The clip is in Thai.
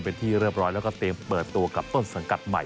และเปิดตัวต้นสังกัดใหม่